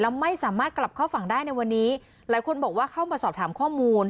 แล้วไม่สามารถกลับเข้าฝั่งได้ในวันนี้หลายคนบอกว่าเข้ามาสอบถามข้อมูล